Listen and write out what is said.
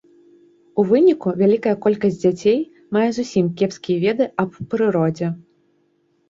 У выніку вялікая колькасць дзяцей мае зусім кепскія веды аб прыродзе.